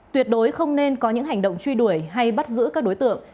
tuyệt đối không nên có những hành động truy đuổi hay bắt giữ các đối tượng